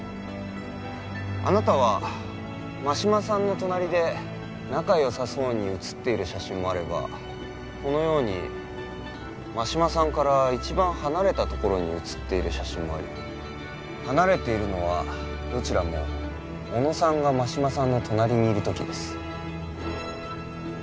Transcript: あなたは真島さんの隣で仲よさそうに写っている写真もあればこのように真島さんから一番離れた所に写っている写真もある離れているのはどちらも小野さんが真島さんの隣にいるときです